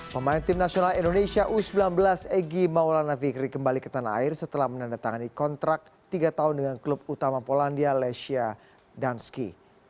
pemain tim nasional indonesia u sembilan belas egy maulana fikri kembali ke tanah air setelah menandatangani kontrak tiga tahun dengan klub utama polandia lesia danski